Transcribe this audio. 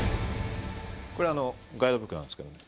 これあのガイドブックなんですけどね。